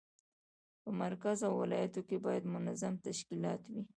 په مرکز او ولایاتو کې باید منظم تشکیلات وي.